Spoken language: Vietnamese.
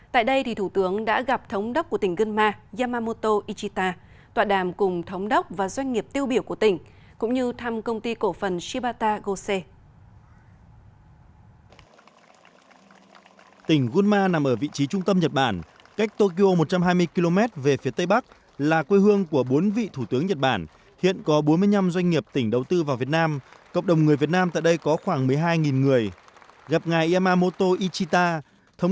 tại đây thủ tướng đã gặp thống đốc của tỉnh gân ma yamamoto ichita tọa đàm cùng thống đốc và doanh nghiệp tiêu biểu của tỉnh